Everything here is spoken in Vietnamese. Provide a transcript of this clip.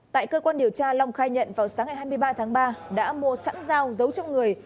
tại cơ quan điều tra long khai nhận vào sáng ngày hai mươi ba tháng ba đã mua sẵn dao giấu trong người